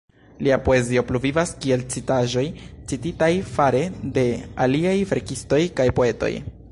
Lia poezio pluvivas kiel citaĵoj cititaj fare de aliaj verkistoj kaj poetoj.